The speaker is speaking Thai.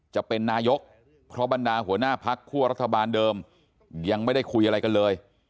จะเป็นนายกเพราะบรรดาหัวหน้าพักคั่วรัฐบาลเดิมยังไม่ได้คุยอะไรกันเลย